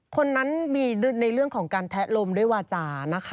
คนนั้นมีในเรื่องของการแทะลมด้วยวาจานะคะ